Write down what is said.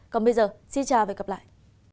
còn bây giờ xin chào và hẹn gặp lại